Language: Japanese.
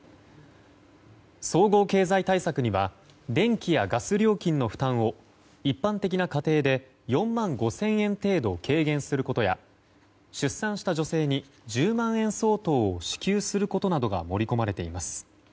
総合経済対策には電気やガス料金の負担を一般的な家庭で４万５０００円程度軽減することや出産した女性に、１０万円相当を支給することなどが盛り込まれています。